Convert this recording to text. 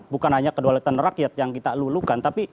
bukan hanya kedualatan rakyat yang kita lulukan